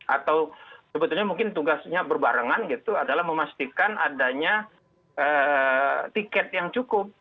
atau sebetulnya mungkin tugasnya berbarengan gitu adalah memastikan adanya tiket yang cukup